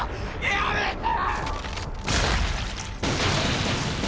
やめて！